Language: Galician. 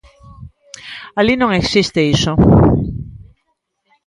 Alí non existe iso.